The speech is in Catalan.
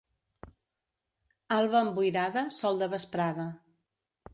Alba emboirada, sol de vesprada.